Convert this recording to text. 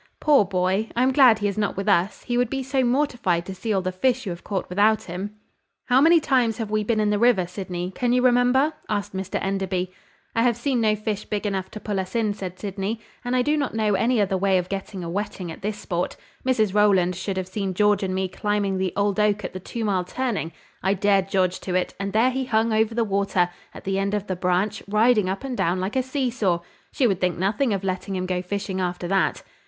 Poor boy! I am glad he is not with us, he would be so mortified to see all the fish you have caught without him!" "How many times have we been in the river, Sydney? Can you remember?" asked Mr Enderby. "I have seen no fish big enough to pull us in," said Sydney; "and I do not know any other way of getting a wetting at this sport. Mrs Rowland should have seen George and me climbing the old oak at the two mile turning. I dared George to it, and there he hung over the water, at the end of the branch, riding up and down like a see saw. She would think nothing of letting him go fishing after that."